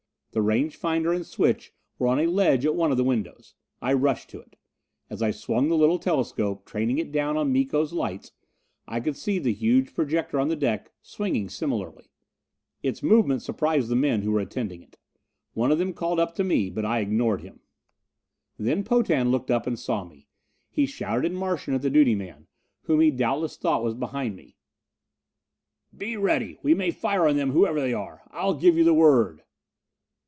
The range finder and switch were on a ledge at one of the windows. I rushed to it. As I swung the little telescope, training it down on Miko's lights, I could see the huge projector on the deck swinging similarly. Its movement surprised the men who were attending it. One of them called up to me, but I ignored him. Then Potan looked up and saw me. He shouted in Martian at the duty man, whom he doubtless thought was behind me: "Be ready! We may fire on them, whoever they are. I'll give you the word."